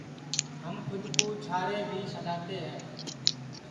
ہم کھود کُو چھارے بھی سڈؔاتے ہے